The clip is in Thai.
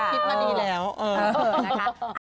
ขอบคิดมาดีแล้วเออนะคะ